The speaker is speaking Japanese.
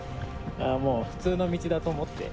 もう普通の道だと思って。